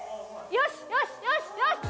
よしよしよしよし！